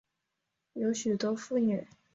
有许多妇女